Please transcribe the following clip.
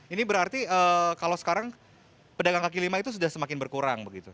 ini berarti kalau sekarang pedagang kaki lima itu sudah semakin berkurang begitu